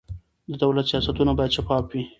د دولت سیاستونه باید شفاف وي